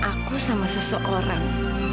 aku sama seseorang